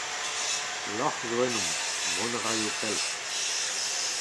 lorc’h zo ennomp, mont a ray pell !